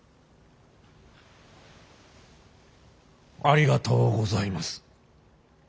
ありがとうございます。